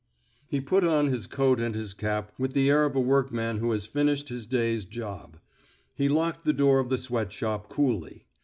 He put on his coat and his cap with the air of a workman who has finished his day's job." He locked the door of the sweat shop coolly.